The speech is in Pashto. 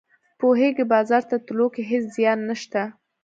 پوهیږې بازار ته تلو کې هیڅ زیان نشته